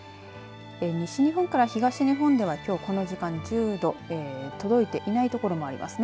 西日本から東日本ではきょうこの時間１０度届いていない所もありますね。